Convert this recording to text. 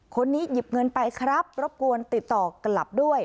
คนนี้หยิบเงินไปครับรบกวนติดต่อกลับด้วย